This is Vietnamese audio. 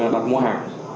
đặt mua hàng